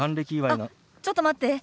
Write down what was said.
あっちょっと待って。